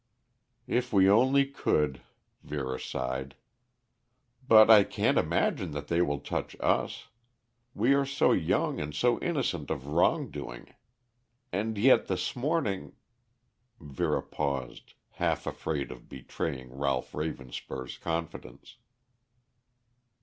"If we only could," Vera sighed. "But I can't imagine that they will touch us. We are so young and so innocent of wrong doing. And yet this morning " Vera paused, half afraid of betraying Ralph Ravenspur's confidence.